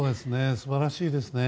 素晴らしいですね。